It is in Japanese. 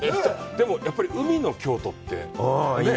でも、やっぱり海の京都ってね。